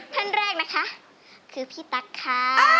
ท่านแรกนะคะคือพี่ตั๊กค่ะ